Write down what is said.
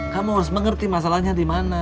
kamu harus mengerti masalahnya dimana